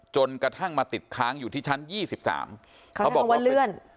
จนกระทั่งมาติดค้างอยู่ที่ชั้น๒๓เขาบอกว่าเลื่อน